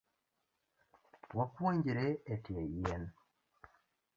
Wapuonjre etie yien